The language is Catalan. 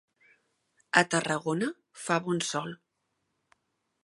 A Tarragona fa bon sol.